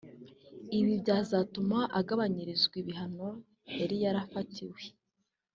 Ibi byazatuma agabanyirizwa ibihano yari yarafatiwe